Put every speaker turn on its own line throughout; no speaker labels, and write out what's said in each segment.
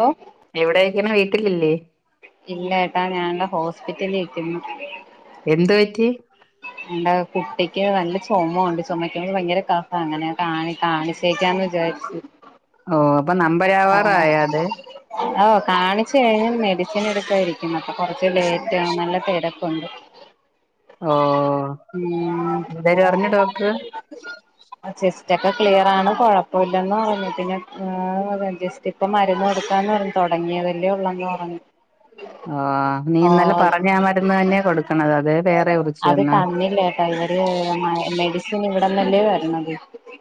Law
എവിടൊയിക്കാണു വീട്ടില്ലില്ലേ
ഇല്ല കേട്ടോ ഞാൻ ഇവിടെ ഹോസ്പിറ്റലിൽ ഇരിക്കുന്നു.
എന്ത്‌ പറ്റി?
എന്റെ കുട്ടിക്ക് നല്ല ചൊമ ഉണ്ട് ചുമയ്ക്കുമ്പോൾ ഭയങ്കര കഫം അങ്ങനെ കാണി കാണി ചേക്കാമെന്നു വിചാരിച്ചു.
ഓ അപ്പം നമ്പറ്
ആഹ്
അവറായോ അത്‌
ഓ കാണിച്ച് കഴിഞ്ഞ് മെഡിസിൻ എടുക്കാൻ ഇരിക്കുന്നു അപ്പം കുറച്ച് ലേറ്റാവും നല്ല തിരക്കുണ്ട്.
ഓഹ്
ഉം ചെസ്റ്റ് ഒക്കെ ക്ലിയറാണ് കുഴപ്പമില്ലെന്ന് പറഞ്ഞു പിന്നെ ഏഹ് ജസ്റ്റ് ഇപ്പം മരുന്ന് കൊടുക്കാന്ന് പറഞ്ഞ് തുടങ്ങിയതല്ലേ ഒള്ളന്നു പറഞ്ഞു.
ആഹ് നീ ഇന്നല്ലെ
ഓ
പറഞ്ഞാ ആ മരുന്ന് തന്നെയാ കൊടുക്കണത് അത് വേറെ കുറിച്ച്
അത്
തന്ന
തന്നില്ല കേട്ടോ ഇവര് മെഡിസിൻ ഇവിടന്നല്ലേ വരണത്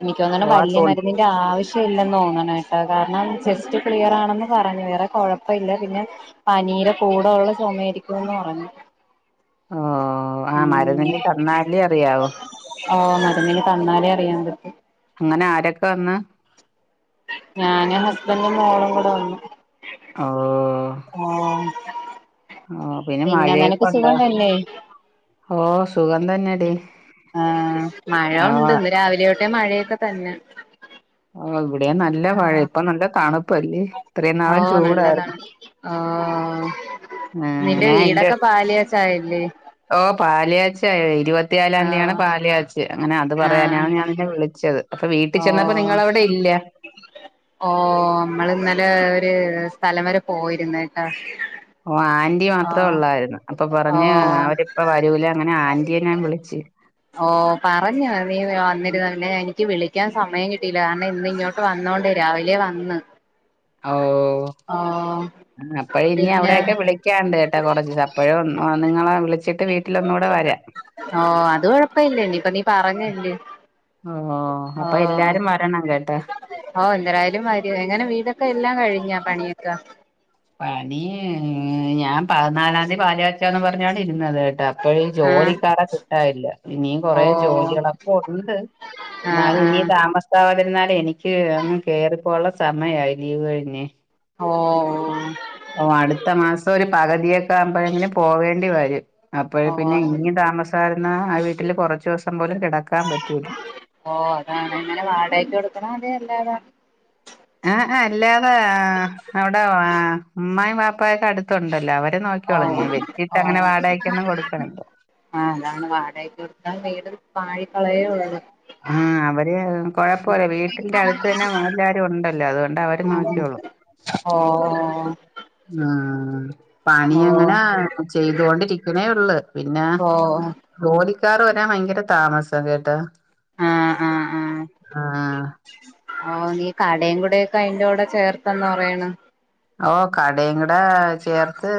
എനിക്ക്
ഓ
തോന്നുന്നു
ആ
വലിയ
തു
മരുന്നി ന്റെ ആവിശ്യമില്ലന്ന് തോന്നണം കേട്ടോ കാരണം ചെസ്റ്റ് ക്ലിയർ ആണെന്ന് പറഞ്ഞു വേറെ കുഴപ്പമില്ല പിന്നെ പനിടെ കൂടെയുള്ള ചുമായിരിക്കും എന്ന് പറഞ്ഞു.
ഓഹ് ആ മരുന്ന് ഇനി തന്നാലേ അറിയാവൂ
ഓഹ് മരുന്ന് ഇനി തന്നാലേ അറിയാൻ പറ്റു
അങ്ങനെ ആരൊക്കെ വന്ന്
ഞാനും ഹസ്ബൻഡും മോളും കൂടെ വന്നു.
ഹലോ
ആ
ഓ
പിന്നെ
മഴയൊക്കെ
നിനക്ക്
ഉണ്ടോ
സുഖന്നല്ലേ
ഓ സുഖം തന്നെടി
ആ മഴ
ഓ
ഉണ്ട് ന്ന് രാവിലെ തോട്ടെ മഴയൊക്കെ തന്നെ
ആ ഇവിടെയും നല്ല മഴ
ആഹ്
ഇപ്പ നല്ല തണുപ്പല്ലേ ഇത്രയും
ഓ
നാളും ചൂടായിരുന്നു
നല്ലതാണ് ഓ
ആ
നിന്റെ
ഞാൻ എന്റെ
വീടൊക്കെ പാല് കാച് ടൈല്
ഓ പാല് കാച്ച് ആയി ഇരുപത്തിയാലാന്തിയാണ്
ആഹ്
പാല് കാച്ച് ച്ച് അങ്ങനെ അത്
ആഹ്
പറയാനാണ് ഞാൻ നിന്നെ വിളിച്ചത് അപ്പൊ വീട്ടിൽ
ഓ
ചെന്നപ്പോ നിങ്ങങ്ങള അവിടെ ഇല്ല
ഓ മ്മള് ഇന്നലെ ഒരു സ്ഥലം വരെ പോയിരുന്ന് ട്ടോ
ഓ അയ്ൻ ആന്റി മാത്രേ ഉള്ളായിരുന്നു അപ്പൊ
ഓ
പറഞ്ഞ് അവരിപ്പ വരൂല അങ്ങനെ ആന്റിയെ ഞാൻ വിളിച്ച്
ഓ പറഞ്ഞു നീ വന്നിരുന്നു പിന്നെ എനിക്ക് വിളി ക്കാൻ സമയം കിട്ടില്ല കാരണം ഇന്ന് ഇങ്ങോട്ട് വന്നോണ്ടേ രാവിലെ വന്ന്
ഓ
ഓ
അപ്പഴ് ഞ്ഞി
പിന്നെ
അവിടെയൊക്കെ വിളി ക്ക്യാണ്ട്ട്ടാ കുറച്ച് ച് അപ്പഴും നിങ്ങളെ വിളിച്ചിട്ട് വീട്ടിലൊന്നുടെ വരാ
ഓ അത് കൊഴപ്പ ഇല്ല ഇനി ഇപ്പ നീ പറഞ്ഞില്ലേ
ഓ അപ്പൊ എല്ലാരും വരണം കേട്ടാ
ഓ എന്തരയാലും വരും എങ്ങനെ വീടൊക്കെ എല്ലാം കഴിഞ്ഞാ പണിയക്ക
പണി ഞാൻ പത് നാലാംതി പാല്കാച്ചാന്നും പറഞ്ഞാണ് ഇരുന്നത് കേട്ടാ ഇപ്പഴ്
ആഹ്
ജോലിക്കാര കിട്ടാ ഇല്ല ഇനിയും
ഓ
കൊറേ ജോലികളൊക്കെ ഉണ്ട്
ആഹ്
എന്നാല് ഇനി
ആഹ്
താമസാവാതിരുന്നാല് എനിക്ക് അങ്ങ് കേറിപ്പോവാള്ള സമയയി ലീവ് കഴിഞ്ഞേ
ഓ
ഓ അടുത്ത മാസം ഒരു പകുതിയൊക്കെ ആവുമ്പോഴങ്ങനെ പോകേണ്ടി വരും അപ്പോഴ്
ഓ
പിന്നെ ഇനിയും താമസയിരുന്ന ആ വീട്ടില് കുറച്ചുവസം പോലും കിടക്കാൻ പറ്റൂല
ഓ അതാണ് ങ്ങനെ വാടകക്ക് എടുക്കണോ അതേ എന്താണ്
ഏ എ അല്ലാതെ അവ്ടെ ഉമ്മായും വാപ്പായൊക്കെ അടുത്ത് ഉണ്ടല്ലോ അവര്
ഓ
നോക്കിക്കോളുനി
ഓ
വെച്ചിട്ടങ്ങനെ വാടയ്ക്കൊന്നും കൊടുക്കണില്ല
ആ അതാണ് വാടയ്ക്കൊട്ത്താൽ വീട് പാഴി ക്കളയേഒള്ളൂ
ആ അവര് കൊഴപ്പല്ലെ വീട്ടിന്റെ അടുത്ത് തന്നെ എല്ലാരും ഉണ്ടല്ലോ അതുകൊണ്ട് അവര് നോക്കിയോളും
ഓ ഓ
ആഹ് പണി അങ്ങനെ ചെയ്തുകൊണ്ടിരിക്കണേ ഒള്ള് പിന്നെ
ഓ
ജോലിക്കാർ വരാൻ ഭയങ്കര താമസം കേട്ടാ
ആ ആ ആ
ആഹ്
ഓ നീ കടേയും കൂടെക്കെ അയ്ന്റെറ കൂടെ ചേർത്തന്ന് പറയണ്
ഓ കടയും കൂടെ ചേർത്ത്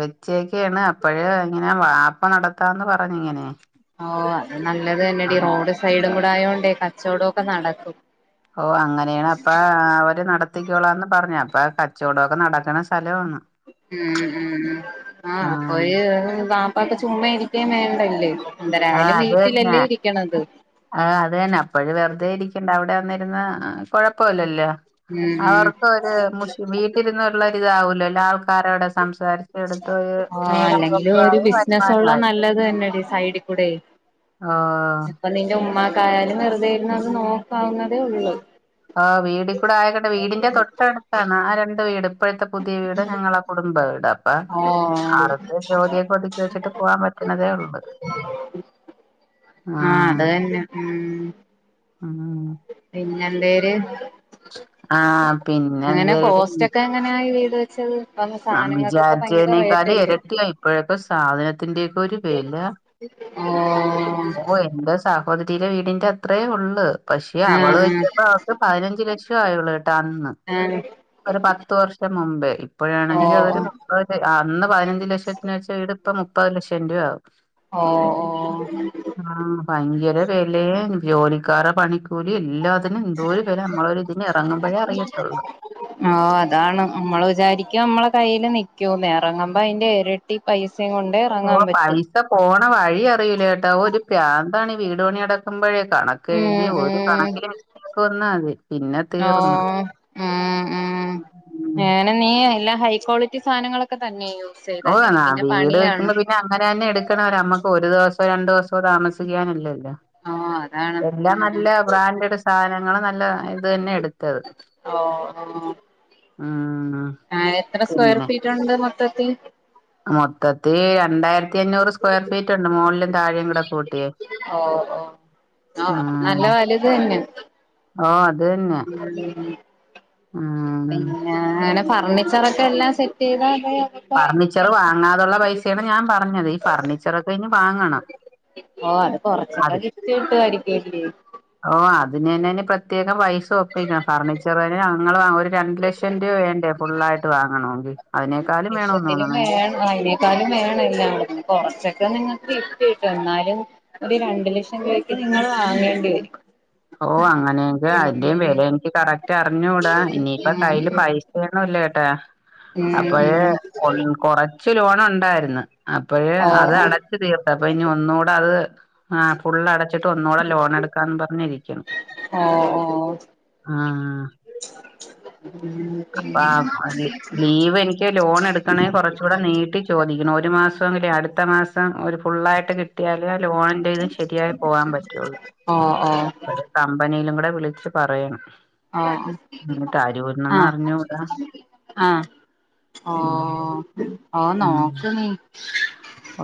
വെച്ചക്കാണ് അപ്പഴ് ഇങ്ങനെ വാപ് ഇപ്പ നടത്താന്ന് പറഞ്ഞിങ്ങനെ
ഓ അത് നല്ലത് തന്നെടി റോഡ് സൈഡും കൂടൊയോണ്ടേ കച്ചവടക്കെ നടക്കും
ഓ അങ്ങനെയാണ് അപ്പ അവര് നട ത്തിക്കോളാന്ന് പറഞ് അപ്പൊ കച്ചോടൊക്കെ നടക്കുന്ന സ്ഥലമാണ്
ഉം ഉം ഉം ആ
ആഹ്
അപ്പോഴ് വാപ്പാക്ക് ചുമ്മ ഇരിക്കയും വേണ്ടല്ല് എന്തരായാലും വീട്ടിലല്ലേ ഇരിക്ക്ണത്.
ആ അതെന്നെ അപ്പഴ് വെറുതെ ഇരിക്കണ്ട അവിടെ വന്നിരുന്ന കൊഴൊപ്പോല്ലല്ലോ.
ഉം ഉം
അവർക്ക് ഒര് മുഷിപ്പ വീട്ടിലിര്ന്നൊള്ളര്താവൂലല്ലൊ ആൾക്കാരോടെ സംസാരിച്ചേടത്ത്
ഓഹ് അല്ലെങ്കിലും
നേരമ്പോക്കും
ഒരു
ആവും
ബിസിനസ്
വരുമാനും
ഉള്ള
ആവും
നല്ലത് തന്നെടി സൈഡിക്കുടെയ്
ആഹ്
അപ്പൊ നിന്റെ ഉമ്മാ ക്കായാലും വെറുതെ ഇര്ന്നൊന്ന് നോക്കാവുന്നതേ ഉള്ളു.
ആ വീടി കൂടെ ആയൊക്കട്ടെ. വീടിന്റെ തൊട്ടട്ത്താണ് ആ രണ്ട് വീട്. ഇപ്പൊഴത്തെ പുതിയ വീട് ഞങ്ങള കുടുംബ വീടാ ഓ
ഓഹ്
അവർക്ക് ജോലിയൊക്കെ ഒതുക്കി വെച്ചിട്ട് പോകാൻ പറ്റണതേ ഉള്ളൂ. ആ
ആഹ് അത് തന്നെ ഉം.
ആ ആ
പിന്നെന്തേര്?
ആഹ് പിന്നെ
എങ്ങനെ
എന്തെടി
കോസ്റ്റൊക്കെ? എങ്ങനാ ഈ വീടു വെച്ചത്? ഇപ്പം
ആ
സാധനങ്ങൾക്കൊക്കെ ഭയങ്കര
വിചാരിച്ചേനെക്കാൾ
റേറ്റ് അല്ലേ
എരട്ടിയാ ഇപ്പൊഴക്കെ സാധനത്തിന്റെയൊക്കെ ഒരു വെല.
ഏ.
സാഹോദരിടെ വീടിന്റെ അത്രേ ഉള്ള്. പക്ഷെ അവള്
ആഹ് ആഹ്
വെച്ചപ്പോ അവക്ക് പതിനഞ്ചലക്ഷം ആയുള്ളു കേട്ടാ അന്ന്.
[unintelligible]
ഒരു പത്തു വർഷം മുമ്പേ. ഇപ്പൊഴാണെങ്കി
ഓഹ്
അതൊരു
ഓഹ്
മുപ്പത്. അന്ന് പയ്നഞ്ച് ലക്ഷത്തിന് വെച്ച വീട് ഇപ്പ മുപ്പത് ലക്ഷം രൂപയാകും.
ഓ ഓ
ആഹ് ഭയങ്കര വെലേം ജോലിക്കാരെ പണിക്കൂലിം എല്ലാ എന്തോര് വെല നമ്മളൊരിതിന് എറങ്ങുമ്പഴേ അറിയത്തൊള്ള്.
ഓ അതാണ് മ്മള് വിചാരിക്കും മ്മളെ കയ്യില് നിക്കൂന്ന്. എറങ്ങമ്പൊ അയിന്റെ എരട്ടി ഇരട്ടി പൈസേം കൊണ്ട് ഇറങ്ങാൻ പറ്റും.
ത് പോണ വഴി അറിയൂല കെട്ടോ. ഒരു പ്രാന്താണീ വീടുപണി അടക്കുമ്പഴേ. കണക്ക് എഴുതിയ
ഉം
ഒരു
ഉം
കണക്കില് മിസ്റ്റേക്ക്‌ വന്നാല്. പിന്നെ
ഓ
തീർന്ന്. ഉം ഉം.
പിന്നെ നീ എല്ലാ ഹൈ ക്വാളിറ്റി സാനങ്ങളൊക്കെതന്നെ യൂസ് ചെയ്തല്ലേ. പിന്നെ പണിയാണ്.
അങ്ങനെന്നെ എടുക്കണവരെ നമ്മക്ക് ഒരു ദിവസം രണ്ടുസോ. പ്പ താമസിക്കാനുള്ളല്ലേ.
ഓ അതാണ്
എല്ലാം നല്ല
ഉം
ബ്രാൻഡഡ് സാധനങ്ങൾ നല്ല ഇത് തന്നെയാ എടുത്താത്.
ഓ ഓ
ആ ആ
ആ എത്ര സ്ക്വയർ ഫീറ്റുണ്ട് മൊത്തത്തി
മൊത്തത്തി രണ്ടായിരത്തി അഞ്ഞൂറ് സ്ക്വയർ ഫീറ്റുണ്ട്. മോളിലും താഴേയും കൂടെ കൂട്ടി.
ഓ ഓ നല്ല വലുത് തന്നെ
ഓ അതുതന്നെ
ഉം
ആ
പിന്നെ അങ്ങനെ ഫർണിച്ചറൊക്കെ എല്ലാം സെറ്റെയ്താ.
ഫർണിച്ചർ വാങ്ങാതുള്ള പൈസയാണ് ഞാൻ പറഞ്ഞത്. ഈ ഫർണിച്ചറൊക്കെ ഇനി വാങ്ങണം.
ഓ അത്
അത്
കൊറച്ചൊക്കെ കിട്ടിട്ടു ആയിരിക്കുല്ലെ.
ഓ അതിനെന്നെഞ്ഞ് പ്രത്യേകം പൈസ ഒപ്പിക്കണം. ഫർണിച്ചർ ഞങ്ങള് ഒരു രണ്ടു ലക്ഷം രൂപ വേണ്ടേ ഫുള്ളായിട്ട് വാങ്ങണോങ്കിൽ. അതിനേക്കാലും വേണം തോന്നു
ആ അയ്നെക്കാളും വേണം എല്ലാം. കൊറച്ചൊക്കെ നിങ്ങൾക്ക് കിട്ടും എന്നാലും ഒരു രണ്ട് ലക്ഷം രൂപക്ക് നിങ്ങള് വാങ്ങേണ്ടി വരും.
ഓ അങ്ങനെയങ്ക അയ്ന്റേം
ഉം
വെല എനിക്ക് കറക്റ്റ് അറിഞ്ഞൂടാ. ഇനിയിപ്പോ കയ്യിൽ പൈസ ഒത്തിരിയൊന്നുമില്ല കേട്ടോ.
ഉം ഉം
അപ്പോളേ
ഉം
കൊറച്ച് ലോനുണ്ടായിരുന്നു അപ്പഴേ
ഓ
അത്
ഓ
അടച്ചു തീർത്ത അപ്പൊ ഇനി ഒന്നുകൂടെ അത് ആഹ് ഫുള്ള് അടച്ചിട്ട് ഒന്നൂടെ ലോൺ എടുക്കാന്ന് പറഞ്ഞു ഇരിക്കുന്ന
ഓ ഓ
ആ അപ്പോ ലീവ് എനിക്ക് ലോൺ എടുക്കണ കൊറച്ച് ഇവിടെ നീട്ടി ചോദിക്കണം ഒരു മാസമെങ്കിലേ അടുത്ത മാസം ഒരു ഫുള്ളായിട്ട് കിട്ടിയാലെ ലോൺ ചെയത് ശരിയായി പോകാൻ പറ്റുള്ളൂ
ഓ ഓ
കമ്പനിയിലും കൂടെ വിളിച്ചു പറയണം
ആ
ഇനി
ആ
തരൂന്നൊന്നും അറിഞ്ഞൂടാ
ആ ഓ..
ഉം
ഓ നോക്ക് നീ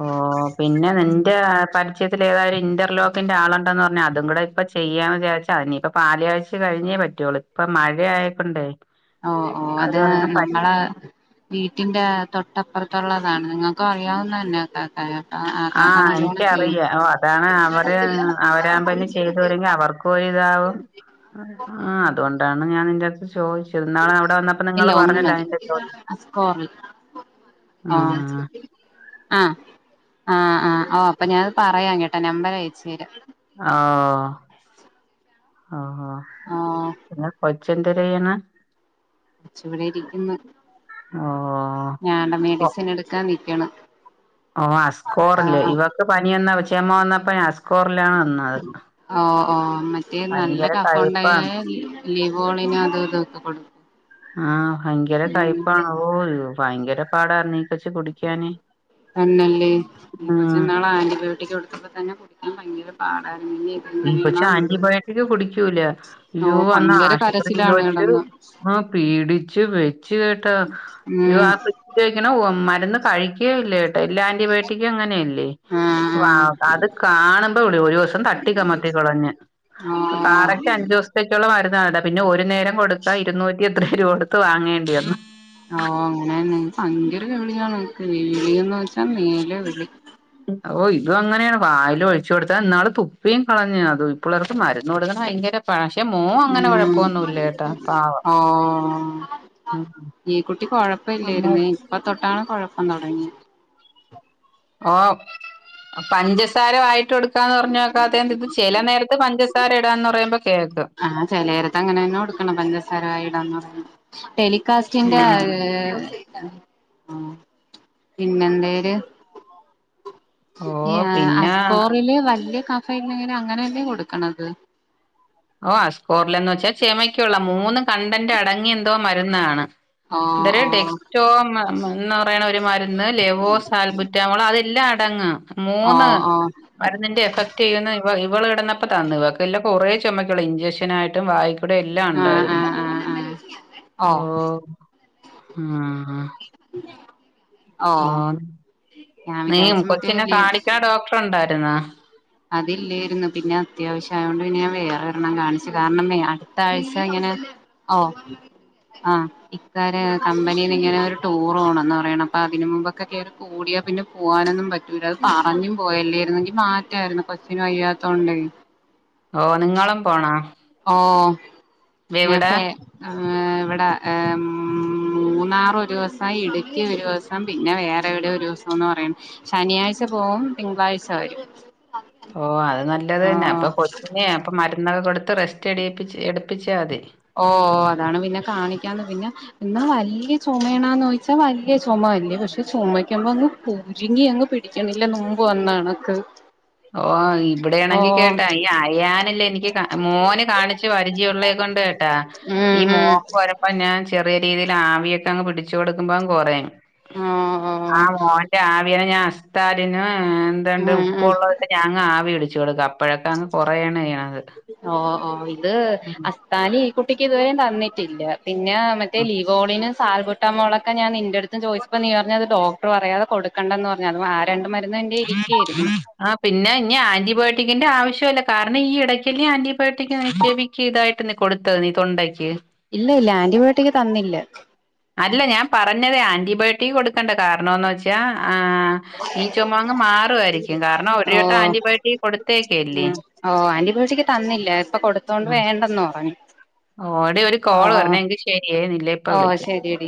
ആഹ് ഓ പിന്നെ നിന്റെ പരിചയത്തിൽ ഏതായരു ഇന്റർലോക്കിന്റെ ആളുണ്ടന്ന് പറഞ്ഞാൽ അതും കൂടെ ഇപ്പ ചെയ്യാന്ന് വിചാരി നിയിപ്പൊ പാല് കഴ്ച് കഴിഞ്ഞേ പറ്റുവുള്ളൂ. ഇപ്പ മഴ അയക്കൊണ്ടേ
ഓ ഓ അത് നമ്മള വീട്ടിന്റെ തൊട്ടപ്പുറത്തുള്ളതാണ്. നിങ്ങൾക്കും അറിയാവുന്ന തന്നെ കേട്ടോ ആക്കാക്ക
ആഹ
നല്ലോണം ചെയ്യും
എനിക്കറിയ ഓ അതാണ് അവര് അവരാവുമ്പോന്നെ ചെയ്തുവരെങ്കിൽ അവർക്കും. പോ ഇതാവും ആ അതുകൊണ്ടാണ് ഞാൻ നിന്റെറത്ത് ചോദിച്ചു. എന്നാള് അവിടെ വന്നപ്പോ
ഇല്ല
നിങ്ങള്
ഒന്ന്
പറഞ്ഞല്ലോ
മതി
അതിന്റെ ച
സ്കോറിൽ
ആ
ആഹ് ആഹ ആഹ് ഓ അപ്പൊ ഞാൻ പറയാം കേട്ടെ നമ്പർ അയച്ച് തരാം.
ഓ ഓഓ
ഓ
പറ്റോ കൊച് ന്തരയാണ്
കൊച്ച് ഇവിടെ ഇരിക്കുന്നു.
ഓ
ഞാൻന് മെഡിസിൻ എടുക്കാൻ നിൽക്കണ്.
ഓ അസ്കോറില് ഇവൊക്ക് പനി വന്ന ചോമ്മ വന്നപ്പ അസ്കോറിലാണ് വന്നത്.
ഓ ഓ മറ്റേ നല്ല കഫോണ്ടായ
കയ്പ്പാണ്
ലിവോളിനും അത് ഇത് ഓക്ക് കൊടുത്ത്.
ആഹ ഭയങ്കര കയ്പ്പാണോ ഓ ഭയങ്കര പാടാര്ന്നീ.
തന്നല്ലേ ന
ഉം
കൊച്ച നാളെ ആന്റിബയോട്ടിക് കൊടുത്തപതനന് തന്നെ കുടിക്കാൻ ഭയ ഒരു പാടായിരുന്നു.
ഈ കൊച്ച്
ഇതെങ്ങനെയാണോ എന്തോ
ആന്റിബയോട്ടിക് കുടിക്കൂല ആയോ
ഓ
അന്ന്
ഭയങ്കര
ആശുപത്രിയിൽ
കരച്ചിലാണ്
വച്ച്.
കിടന്ന്
ആ പീടിച്ചു വെച്ച കേട്ടാ
ആഹ്
ഉപയോഗിക്കണ മരുന്ന് കഴിക്കുക ഇല്ലേ എല്ല ആന്റിബയോട്ടിക്ക് അങ്ങനെയല്ലേ.
ആഹ്
അത് കാണുമ്പോ ഇ ഒരു ദിവസം തട്ട തട്ടിമാറ്റി കാമത്തികളഞ്
ആഹ്
കററ്റ് അഞ്ച് ദിവസത്തെ കുളള മരുന്ന്. അത അതാ പിന്നെ ഒരു നേരം കൊടുക്കാ ഇരുന്നൂറ്റി എത്ര രൂപ കൊടുത്ത് വാങ്ങേണ്ടി വന്നു.
ഓ അങ്ങനെ ഭയങ്കര വിളിയാണ് വിളിയന്ന് വെച്ചാ നീല വിളി.
ഓ ഇതും അങ്ങനെയാണ് വായും ഒഴിച്ചു കൊടുത്താ എന്നാള് തുപ്പിയും കളഞ്ഞ്. അത് ഇപ്പുള്ളേർക്ക് മരുന്ന് കൊടുക്ക ഭയങ്കര പക്ഷെ മോൻ അങ്ങനെ
ഉം
കുഴപ്പൊന്നുല്ല പാവം.
ഓ
ഉം
ഈ കുട്ടി കൊഴപ്പം
നമ്മള്
ഇല്ലായിരുന്നേ ഇപ്പ തൊട്ടാണ് കൊഴപ്പം തുടങ്ങി.
ഓ പഞ്ചസാര വയിട്ട് എടുക്കാന്ന് പറഞ്ഞു നോക്കാ. അത് ചില നേരത്ത് പഞ്ചസ പസാര ഇടാന്ന് പറയുമ്പോൾ കേൾക്ക്.
ആഹ ചിലരെക്ങ്ങനെ തന്നെ കൊടുക്കണ പഞ്ചസാര. വായിൽ ഇടം എന്ന് പറഞ്ഞ്. കാസ്ന്റെ പിന്നെ എന്തായര്
ഓ
ഈ
പിന്നെ
അസ്കോറില് വല്യയ കഫയില്ലങ്ങനെ അങ്ങനെയല്ലേ കൊടുക്കണത്.
ഓ സ്കോറിലന്ന് വെച്ചാൽ ചമയ്ക്കുള്ള മൂന്ന് കണ്ടന്റെ അടങ്ങി എന്തോ മരുന്നാണ്.
ഓ ഓ
[unintelligible] ടോ എന്ന് പറയണ ഒരു മരുന്ന് ലെവോ സാൽബുറ്റാമോള് അതെല്ലാം അടങ്.
ഓ
മൂന്ന്
ഓ
മരുന്നിന്റെ എഫക്ട് ചെയ്യുന്ന ഇവൾ ഇവള് ഇിടന്നപ്പോ തന്നു ഇവാക്ക് ഇല്ല കുറെ ചോമക് ഉളള ഇഞ്ചെക്ഷനായിയിട്ടും വായിക്ക്. കോടെ എല്ലാം
ആഹ്
ഉണ്ടായിരുന്നും
ആഹ് ആഹ്
ഓ
ഉ [unintelligible]
ഓ നീ
വിചാരിച്ചു മറ്റേ
കൊച്ചിനെ
ലീ
കാണിക്കണ ഡോക്ടർ ഉണ്ടായിരുന്ന.
അതില്ലോയിരുന്നു പിന്നെ അത്യാവശ്യ ആയൊണ്ട് പിന്നെ ഞാൻ വേറെ എരെണ്ണം കാണിച്ചു കാരണം അടുത്ത ആഴ്ച ഇങ്ങനെ ഓ ആഹ ഇക്കാര് കമ്പനിൽ ഇങ്ങനെ ഒരു ടൂർോണന്ന് പറയണം. അപ്പൊ അതിനന് മുമ്പൊക്കക്കെ കുടിയാ പിന്നെ പോകാനൊന്നും പറ്റൂല. അത് പറഞ്ഞു പോയല്ലായിരുന്നെങ്കിൽ മാ യിരുന്നു കൊച്ചിനും വയ്യാത്തത്കൊണ്ടേ.
ഓ നിങ്ങളും പോണ.
ഓ ഞൻ ഫോ ഏഹ് ഇവിടെ ഏഹ് മൂന്നാറൊരുസം ഇടുക്കി ഒരുസം സം പിന്നെ വേറെ എവിടെയ ഒരു ദിവസംന്ന് പറയണ് ശനിയാഴ്ച പോവും തിങ്കളാഴ്ച വരും
ഓ അത് നല്ലത് തന്നെ അപ്പൊ
ആഹ്
കൊ [unintelligible] ന്നെയാ അപ്പ മരുന്നൊക്കെ കൊടുത്ത് റെസ്റ്റ് എടിപ്പിച്ച് എടുപ്പിച്ചാ മതി
ഓ അതാണ് പിന്നെ കാണിക്കാന്ന് പിന്നെ എന്നാ വല്ല്യെ ചൊമേണാന്നോയ്ച വല്ല്യെ ചൊമ ഇല്ല പക്ഷെ ചുമയ്ക്കുമ്പോ അങ്ങ് പൊര്ങ്ങി അങ്ങ് പെട്ട് [unintelligible] ല്ല ന്നുമ്പ് വന്നാണ്ക്ക്
ഓ ഇബ്ടെയാണെങ്കി കേട്ടാ ഈ അയാന്ല്ലേ എനിക്ക് മോന് കാണി ച്ച് പരിചയുള്ളെ കൊണ്ട് കെട്ടാ
ഉം
ഈ
ഉം
മോക്ക് വരപ്പ ഞാൻ ചെറിയ രീതിയിൽ ആവിയൊക്കെ അങ്ങ് പിടിച്ചു കൊടുക്കുമ്പോ കൊറിം
ഓ ഓ
ആഹ് മോന്റെ ആവിയന ഞാൻ അസ്താലിന് എന്താണ്ട്
ഉം
ഉപ്പ്
ഉം
വെള്ള ത് ച്ച് അങ്ങ് ആവി പിടിച്ചു കൊടുക്കും അപ്പോഴൊക്കെ അങ്ങ് കൊറയാണെയ്യ്ണത്
ഓ ഓ ഇത് അസ്താലി ഈ കുട്ടിക്ക് ഇതുവരേം തന്നിട്ടില്ല പിന്നെ
ആ
മറ്റേ ലിവോളിന് സ് സാൽബുറ്റാമോളൊക്കെ ഞാൻ നിന്റെട്ത്തും ചോദിച്ചപ്പോ നീ പറഞ്ഞ് അത് ഡോക്ടർ പറയാതെ കൊടുണ്ടന്ന് പറ ഞ്ഞ് അതും ആ രണ്ട മരുന്ന് എന്റെ കയ്യി ഇരിക്കെര്ന്ന്
ആഹ് പിന്നെ ഇനി ആന്റിബയോട്ടിക്കിന്റെ ആവശ്യവില്ല കാരണം ഈ എടയ്ക്കല്ലേ ആന്റിബയോട്ടിക് [unintelligible] ക്കിതായിട്ട് നീ കൊടുത്തഹ് നീ തൊണ്ടയ്ക്ക്
ഇല്ല ഇല്ല ആന്റിബയോട്ടിക് തന്നില്ല
അല്ല ഞാൻ പറഞ്ഞതേ ആന്റിബയോട്ടിക് കൊടുക്കണ്ട കാരണോന്ന് വെച്ചാ ആഹ് ഈ ചുമ അങ്ങ് മാറുവായിരിക്കും കാരണം
ഓ
ഒരട്ടം ആന്റിബയോട്ടിക് കൊടുത്തേയ്ക്കല്ലേ
ഉം ഓ ആന്റിബയോട്ടിക്ക് തന്നില്ല ഇപ്പൊ കൊടുത്തോണ്ട് വേണ്ടന്ന് പറഞ്ഞു
ഓ എടി ഒരു
ഓ
കോള് വര്ണെ എങ്കി ശെരിയേ നില്ല് ഇപ്പ
ഓ
വിളിക്കാം
ശരിയടി